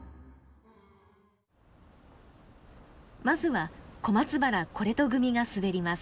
まずは小松原コレト組が滑ります。